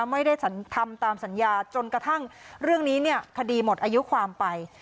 ไม่ได้ทำตามสัญญาจนกระทั่งเรื่องนี้เนี่ยคดีหมดอายุความไป